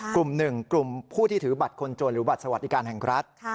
กลุ่มหนึ่งกลุ่มผู้ที่ถือบัตรคนจนหรือบัตรสวัสดิการแห่งรัฐ